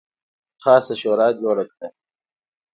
خاصه شورا جوړه کړه.